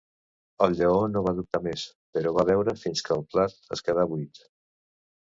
El Lleó no va dubtar més, però va beure fins que el plat es quedà buit.